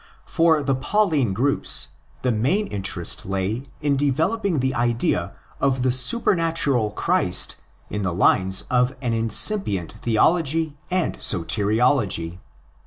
For the Pauline groups the main interest lay in developing the idea of the supernatural Christ on the lines of an incipient theology and "" soteriology."